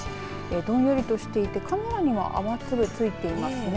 どんよりとしていてカメラには雨粒が付いています。